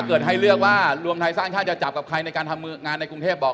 เกิดให้เลือกว่ารวมไทยสร้างชาติจะจับกับใครในการทำงานในกรุงเทพบอก